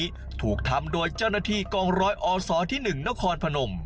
ตอนนี้ถูกทำโดยเจ้าหน้าที่กองร้อยอศที่๑นครพนม